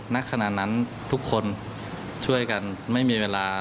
ณขณะนั้นทุกคนช่วยกันไม่มีเวลา